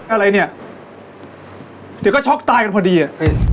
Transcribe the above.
อะไรเนี่ยเดี๋ยวก็ช็อกตายกันพอดีอ่ะเออ